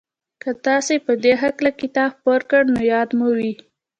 که تاسې په دې هکله کتاب خپور کړ نو ياد مو وي.